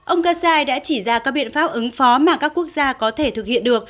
ông gaza đã chỉ ra các biện pháp ứng phó mà các quốc gia có thể thực hiện được